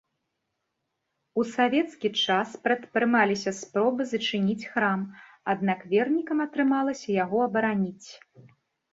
У савецкі час прадпрымаліся спробы зачыніць храм, аднак вернікам атрымалася яго абараніць.